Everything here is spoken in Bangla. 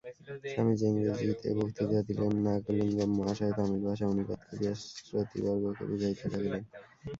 স্বামীজী ইংরেজীতে বক্তৃতা দিলেন, নাগলিঙ্গম মহাশয় তামিল ভাষায় অনুবাদ করিয়া শ্রোতৃবর্গকে বুঝাইতে লাগিলেন।